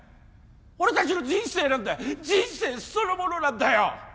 俺達の人生なんだ人生そのものなんだよ